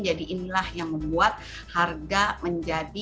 jadi inilah yang membuat harga menjadi